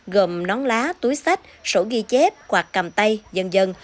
gồm nón lá túi sách sổ ghi chép quạt cầm tay dần dần